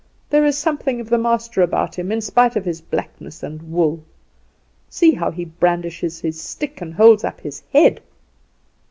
There is something of the master about him in spite of his blackness and wool. See how he brandishes his stick and holds up his head!"